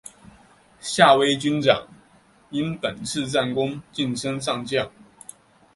夏威军长因本次战功晋升上将。